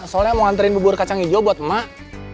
soalnya mau nganterin bubur kacang hijau buat emak